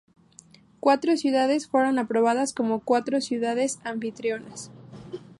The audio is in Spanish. Cuatro ciudades fueron aprobadas como ciudades anfitrionas.